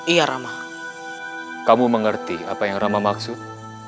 iya rama kamu mengerti apa yang rama maksud